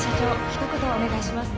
一言お願いします